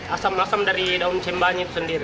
asam asam dari daun cembanya itu sendiri